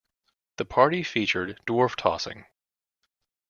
The party featured dwarf-tossing.